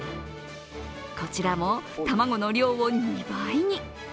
こちらも卵の量を２倍に。